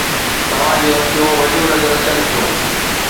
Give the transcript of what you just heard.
توهان جون اکيون وڏيون نظر اچن ٿيون.